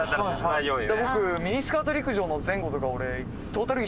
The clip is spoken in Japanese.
僕ミニスカート陸上の前後とかトータル